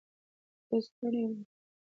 زه ستړی وم.